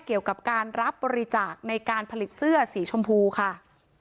เกี่ยวกับการรับบริจาคในการผลิตเสื้อสีชมพูค่ะ